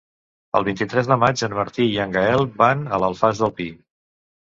El vint-i-tres de maig en Martí i en Gaël van a l'Alfàs del Pi.